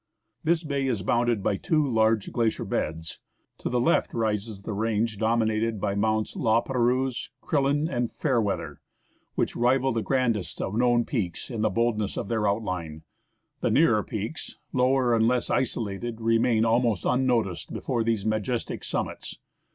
This bay is bounded by two large glacier beds. To the AN ICEBERG IN GLACIER BAY. left rises the range dominated by mounts La Perouse, Crillon, and Fairweather, which rival the grandest of known peaks in the boldness of their outline ; the nearer peaks, lower and less isolated, remain almost unnoticed before these majestic summits.